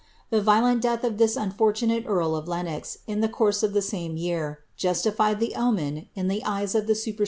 The violent death of tins unloi' tuiiaie earl of Lenox, in the course of the same year, justified the otDen in ihe eyes of the superstitious people.'